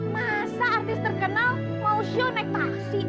masa artis terkenal mau sionek taksi